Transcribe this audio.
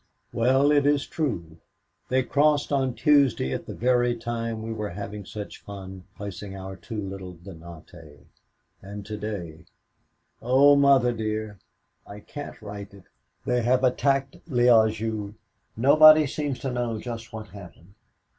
"Well, it is true. They crossed on Tuesday at the very time we were having such fun placing our two little Dinantais and to day, oh, Mother dear, I can't write it they have attacked Liége. Nobody seems to know just what has happened.